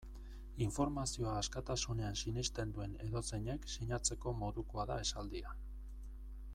Informazioa askatasunean sinesten duen edozeinek sinatzeko modukoa da esaldia.